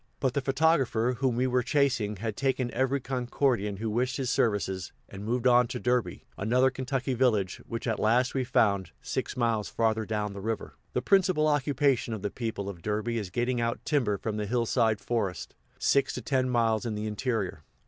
But the photographer, whom we were chasing, had "taken" every Concordian who wished his services, and moved on to Derby, another Kentucky village, which at last we found, six miles father down the river. The principal occupation of the people of Derby is getting out timber from the hillside forests, six to ten miles in the interior.